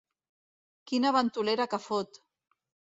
Quina ventolera que fot!